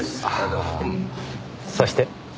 そして？